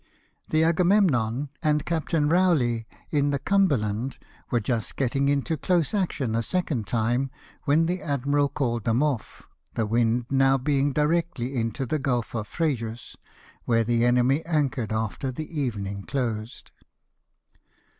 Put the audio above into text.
The Agamemnon, and Captain Kowley in the Cumber land, were just getting into close action a second time, when the admiral called them off, the wind now being directly into the Gulf of Frejus, where the enemy anchored after the evening closed.